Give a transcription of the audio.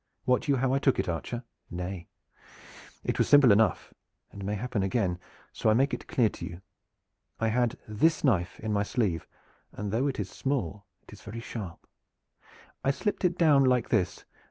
Wot you how I took it, archer? Nay, it was simple enough, and may happen again, so I make it clear to you. I had this knife in my sleeve, and though it is small it is very sharp. I slipped it down like this.